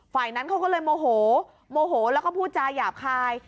ฝ่ายนั้นเขาก็เลยโมโหโมโหแล้วก็พูดจาหยาบคาย